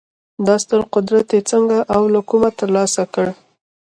دا ستر قدرت یې څنګه او له کومه ترلاسه کړی و